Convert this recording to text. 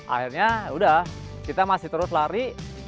akhirnya udah kita masih terus lari